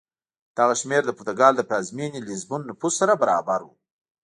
دغه شمېر د پرتګال له پلازمېنې لېزبون نفوس سره برابر و.